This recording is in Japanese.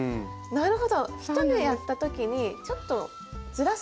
なるほど。